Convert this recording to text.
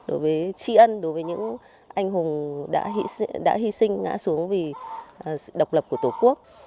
đối với tri ân đối với những anh hùng đã hy sinh ngã xuống vì độc lập của tổ quốc